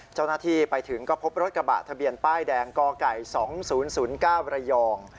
เจ้าหน้าที่ไปถึงก็พบรถกระบะทะเบียนป้ายแดงกไก่๒๐๐๙ระยอง